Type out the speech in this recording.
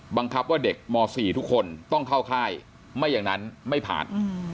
บังคับว่าเด็กม๔ทุกคนต้องเข้าค่ายไม่อย่างนั้นไม่ผ่าน